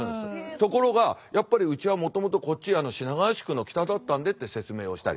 ところがやっぱりうちはもともとこっち品川宿の北だったんでって説明をしたり。